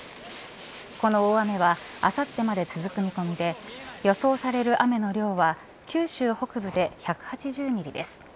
この大雨はあさってまで続く見込みで予想される雨の量は九州北部で１８０ミリです。